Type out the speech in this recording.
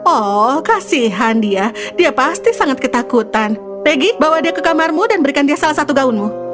oh kasihan dia dia pasti sangat ketakutan peggy bawa dia ke kamarmu dan berikan dia salah satu gaunmu